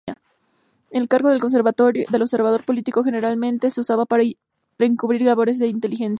El cargo de observador político generalmente se usaba para encubrir labores de inteligencia.